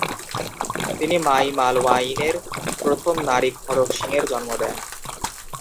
তিনি মাঈ মালওয়াইনের প্রথম নাতি খড়ক সিংয়ের জন্ম দেন।